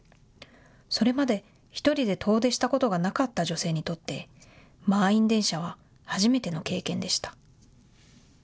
それまで１人で遠出したことがなかった女性にとって満員電車は初めての経験でした。